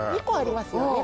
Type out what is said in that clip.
２個ありますよね